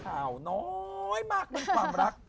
ข่าวน้อยมากมันความรัก